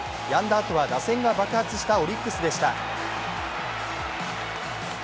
あとは打線が爆発したオリックスでした。